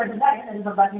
untuk pahlawan dari indonesia